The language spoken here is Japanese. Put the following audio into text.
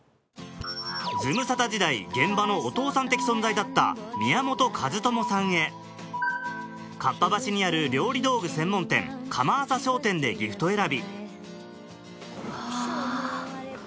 『ズムサタ』時代現場のお父さん的存在だった宮本和知さんへ合羽橋にある料理道具専門店釜浅商店でギフト選びうわぁ。